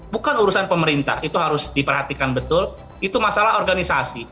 bukan urusan pemerintah itu harus diperhatikan betul itu masalah organisasi